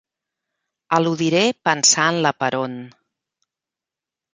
Eludiré pensar en la Perón.